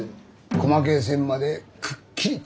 細けえ線までくっきりと。